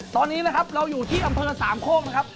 ตอนนี้เราอยู่ที่อำเภอ๓โคก